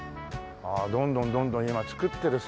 どんどんどんどん今造ってる最中か。